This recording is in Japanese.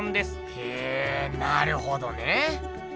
へぇなるほどね。